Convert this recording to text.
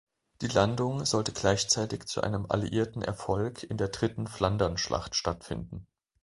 Die Landung sollte gleichzeitig zu einem alliierten Erfolg in der Dritten Flandernschlacht stattfinden.